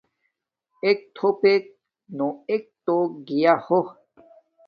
ایک تھوپک نو ایک توک گیا۔ ہو